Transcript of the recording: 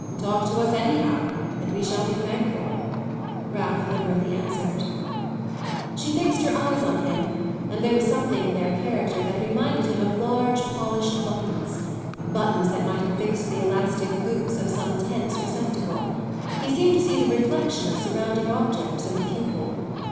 "Talk to us anyhow and we shall be thankful," Ralph liberally answered. She fixed her eyes on him, and there was something in their character that reminded him of large polished buttons buttons that might have fixed the elastic loops of some tense receptacle: he seemed to see the reflection of surrounding objects on the pupil.